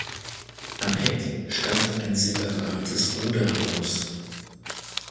Am Heck stand ein separates Ruderhaus.